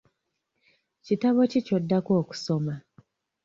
Kitabo ki ky'oddako okusoma?